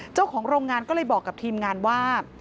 เจ้าของโรงงานก็เลยบอกกับทีมงานว่า